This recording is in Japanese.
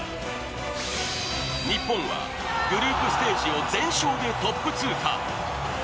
日本はグループステージを全勝でトップ通過。